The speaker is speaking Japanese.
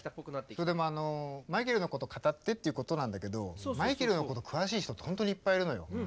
それであのマイケルの事語ってっていう事なんだけどマイケルの事詳しい人って本当にいっぱいいるのよ。